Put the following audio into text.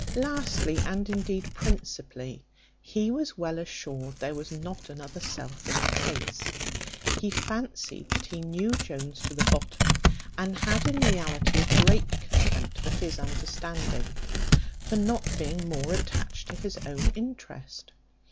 Lastly, and indeed principally, he was well assured there was not another self in the case. He fancied that he knew Jones to the bottom, and had in reality a great contempt for his understanding, for not being more attached to his own interest.